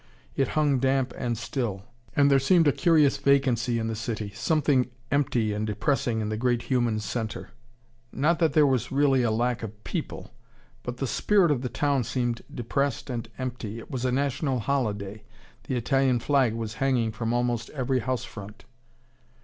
It hung damp and still. And there seemed a curious vacancy in the city something empty and depressing in the great human centre. Not that there was really a lack of people. But the spirit of the town seemed depressed and empty. It was a national holiday. The Italian flag was hanging from almost every housefront.